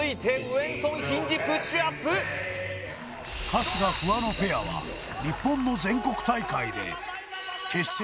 春日フワのペアは日本の全国大会で結成